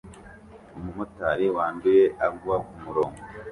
Umumotari wanduye agwa kumurongo